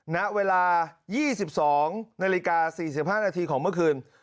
ณเวลา๒๒นาฬิกา๔๕นาทีของเมื่อคืน